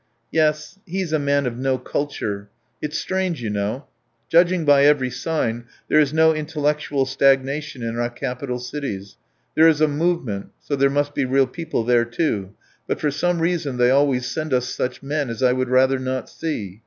"Yes, he is a man of no culture. It's strange, you know. ... Judging by every sign, there is no intellectual stagnation in our capital cities; there is a movement so there must be real people there too; but for some reason they always send us such men as I would rather not see.